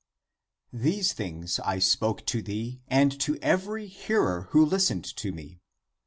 " These things I spoke to thee and to every hearer who Hstened to me.